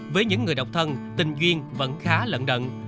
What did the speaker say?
với những người độc thân tình duyên vẫn khá lẫn đận